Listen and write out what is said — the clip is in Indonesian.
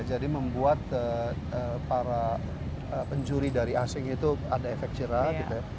jadi membuat para penjuri dari asing itu ada efek cera gitu ya